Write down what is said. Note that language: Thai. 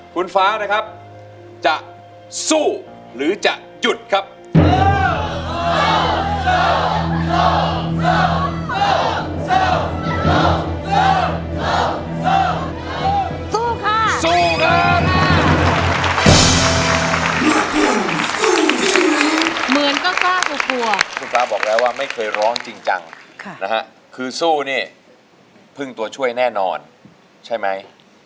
เขากลับมาเขาจะตอบได้แล้วนะว่าจะตัดสินใจยังไง